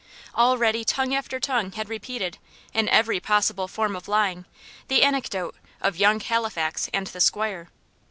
Already tongue after tongue had repeated, in every possible form of lying, the anecdote of "young Halifax and the 'squire."